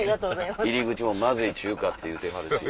入り口もまずい中華って言うてはるし。